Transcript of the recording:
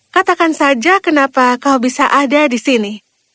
katakan saja kenapa kau bisa ada di sini